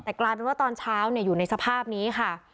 แต่กลานรู้ว่าตอนเช้าเนี่ยอยู่ในสภาพนี้ค่ะ